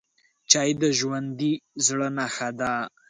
چای د ژوندي زړه نښه ده